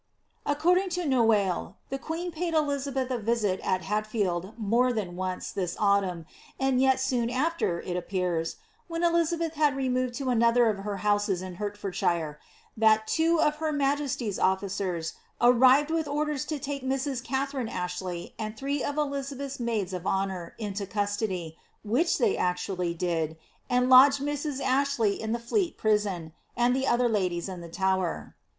According to Noailles, the queen paid Elizabeth a visit at Hatfield, Biore than once, this autumn, and yet soon afWr, it appears, when Eli abeth had removed to another of her houses in Hertfordshire, that two of her majesty's officers arrived with orders to take Mrs. Katharine Ashley, and three of Elizabeth's maids of honour, into custody, which they actually did, and lodged Mrs. Ashley in the Fleet prison, and the other ladies in the Tower.